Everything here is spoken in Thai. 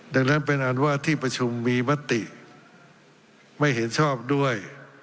ดังนั้นเป็นอันว่าที่ประชุมมีมติไม่เห็นชอบด้วย